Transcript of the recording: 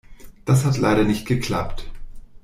Das hat leider nicht geklappt.